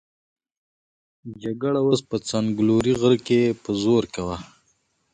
جګړه اوس په څنګلوري غره کې په زور کې وه.